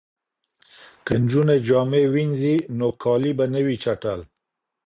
که نجونې جامې وینځي نو کالي به نه وي چټل.